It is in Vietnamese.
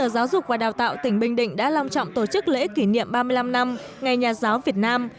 giáo dục và đào tạo tỉnh bình định đã long trọng tổ chức lễ kỷ niệm ba mươi năm năm ngày nhà giáo việt nam